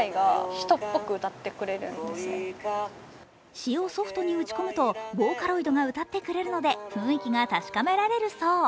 詞をソフトに打ち込むにＶＯＣＡＬＯＩＤが歌ってくれるので雰囲気が確かめられるそう。